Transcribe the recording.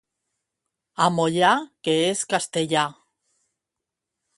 Amolla, que és castellà.